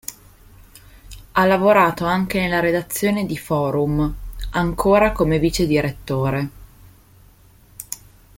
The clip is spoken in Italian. Ha lavorato anche nella redazione di "Forum", ancora come vice direttore.